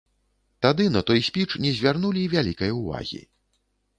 Тады на той спіч не звярнулі вялікай увагі.